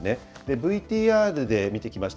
ＶＴＲで見てきました